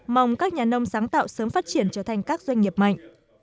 mong các nhà nông sáng tạo sớm phát triển trở thành các doanh nghiệp mạnh